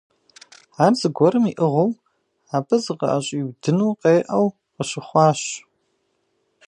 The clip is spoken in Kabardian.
Ар зыгуэрым иӀыгъыу абы зыкъыӀэщӏиудыну къеӀэу къащыхъуащ.